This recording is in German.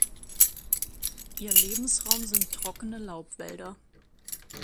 Ihr Lebensraum sind trockene Laubwälder.